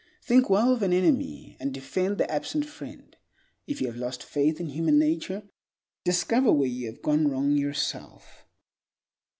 Think well of an enemy, and defend the absent friend. If you have lost faith in human nature, discover where you have gone wrong yourself.